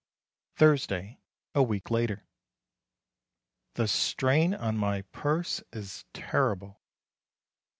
Thursday, a week later. The strain on my purse is terrible.